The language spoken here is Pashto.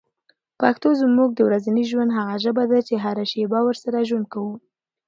پښتو زموږ د ورځني ژوند هغه ژبه ده چي هره شېبه ورسره ژوند کوو.